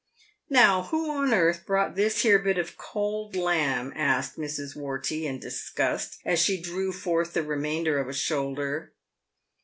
"Now who on earth brought this here bit of cold lamb?" asked Mrs. Wortey in disgust, as she drew forth the remainder of a shoulder.